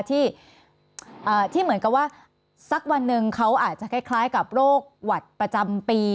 ที่เหมือนกับว่าสักวันหนึ่งเขาอาจจะคล้ายกับโรคหวัดประจำปี